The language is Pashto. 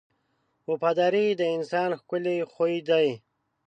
• وفاداري د انسان ښکلی خوی دی.